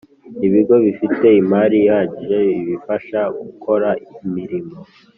Ibigo bifite imari ihagije ibifasha gukora imirimo